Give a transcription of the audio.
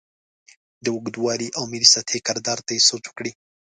د اوږدوالي او ملي سطحې کردار ته یې سوچ وکړې.